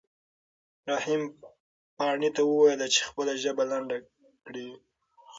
رحیم پاڼې ته وویل چې خپله ژبه لنډه کړي.